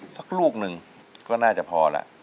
ชักลูกนึงก็น่าจะพอแล้ว